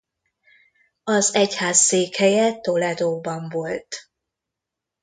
Az egyház székhelye Toledóban volt.